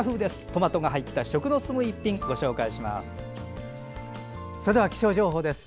トマトが入った食の進む一品、ご紹介します。